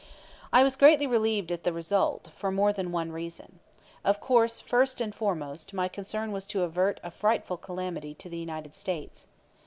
I was greatly relieved at the result, for more than one reason. Of course, first and foremost, my concern was to avert a frightful calamity to the United States.